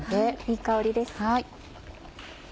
いい香りです。